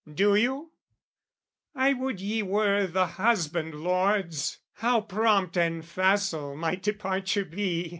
Do you? I would ye were the husband, lords! How prompt and facile might departure be!